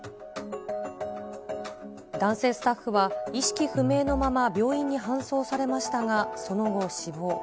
男性スタッフは意識不明のまま病院に搬送されましたが、その後死亡。